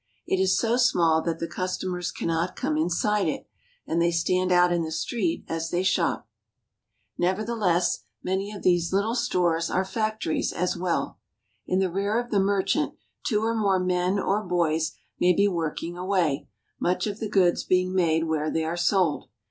It is so small that the customers cannot come inside it, and they stand out in the street as they shop. 270 THE STORES AND TRADES OF INDIA Nevertheless, many of these little stores are factories as well. In the rear of the merchant, two or more men or boys may be working away, much of the goods being made where they are sold.